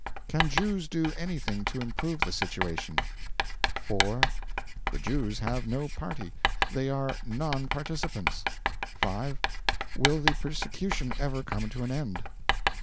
Can Jews do anything to improve the situation? 4. The Jews have no party; they are non participants. 5. Will the persecution ever come to an end?